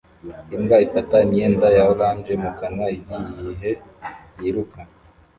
Imbwa ifata imyenda ya orange mu kanwa igihe yiruka